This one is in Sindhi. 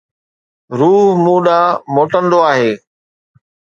روح مون ڏانهن موٽندو آهي.